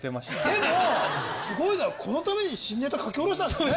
でもすごいのはこのために新ネタ書き下ろしたんですよね。